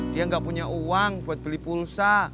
dia nggak punya uang buat beli pulsa